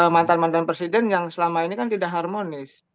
mantan mantan presiden yang selama ini kan tidak harmonis